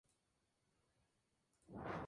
Es otro de los "favoritos".